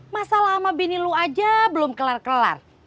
masalah sama bini lu aja belum kelar kelar